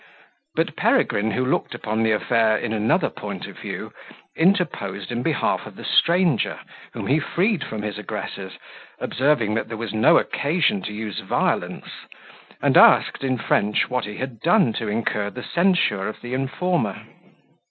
But Peregrine, who looked upon the affair in another point of view, interposed in behalf of the stranger, whom he freed from his aggressors, observing, that there was no occasion to use violence; and asked, in French, what he had done to incur the censure of the informer.